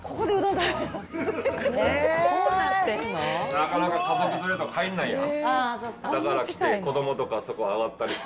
なかなか、家族連れとか入んないんやん。